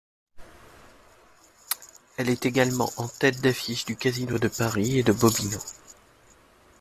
Elle est également en tête d'affiche du Casino de Paris et de Bobino.